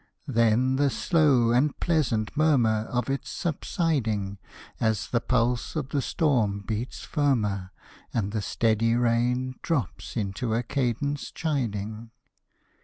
Then, the slow and pleasant murmur Of its subsiding, As the pulse of the storm beats firmer, And the steady rain Drops into a cadenced chiding.